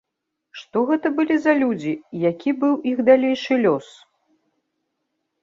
Што гэта былі за людзі і які быў іх далейшы лёс?